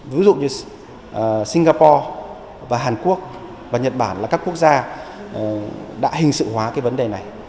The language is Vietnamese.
ví dụ như singapore và hàn quốc và nhật bản là các quốc gia đã hình sự hóa cái vấn đề này